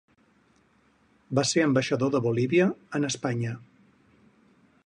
Va ser ambaixador de Bolívia en Espanya.